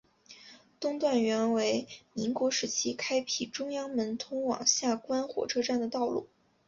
东段原为民国时期开辟中央门通往下关火车站的道路。